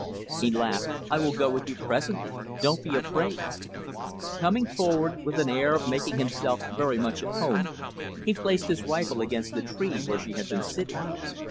He laughed. "I will go with you presently. Don't be afraid." Coming forward, with an air of making himself very much at home, he placed his rifle against the tree where she had been sitting.